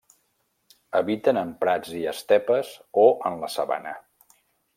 Habiten en prats i estepes o en la sabana.